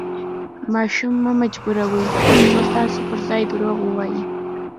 ماشوم مه مجبوروئ، ترڅو ستاسو پر ځای درواغ ووایي.